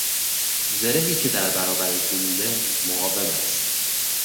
زرهی که در برابر گلوله مقاوم است